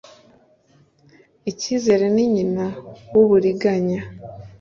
icyizere ni nyina wuburiganya